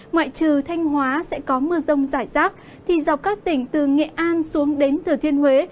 ngoại trừ thanh hóa sẽ có mưa rông rải rác thì dọc các tỉnh từ nghệ an xuống đến thừa thiên huế